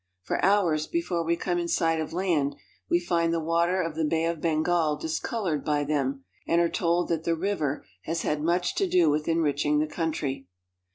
For hours before we come in sight of land, we find the water of the Bay of Bengal discolored by them, and are told that the river has had much to do with enriching the country.